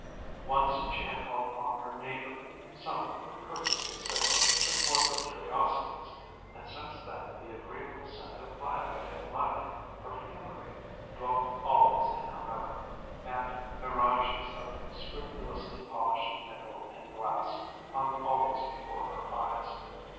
Once she had called upon her neighbour, somewhat for courtesy's sake, but more for curiosity's, and since then the agreeable scent of violet and lilac perfumery dwelt always in her memory, and mirages of scrupulously polished nickel and glass hung always before her eyes.